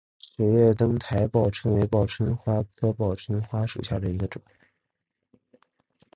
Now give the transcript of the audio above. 齿叶灯台报春为报春花科报春花属下的一个种。